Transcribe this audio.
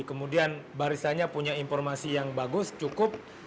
kemudian barisannya punya informasi yang bagus cukup